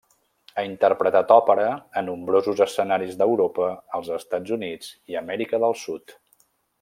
Ha interpretat òpera a nombrosos escenaris d'Europa, els Estats Units i Amèrica del Sud.